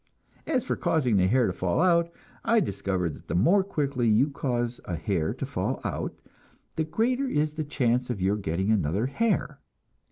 As for causing the hair to fall out, I discovered that the more quickly you cause a hair to fall out, the greater is the chance of your getting another hair.